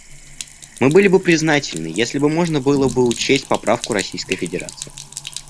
Мы были бы признательны, если бы можно было бы учесть поправку Российской Федерации.